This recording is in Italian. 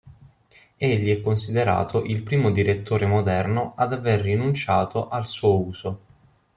Egli è considerato il primo direttore moderno ad aver rinunciato al suo uso.